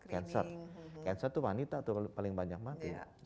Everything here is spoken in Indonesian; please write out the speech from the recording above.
cancer tuh wanita paling banyak mati